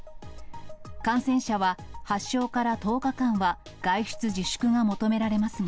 感染者は発症から１０日間は外出自粛が求められますが。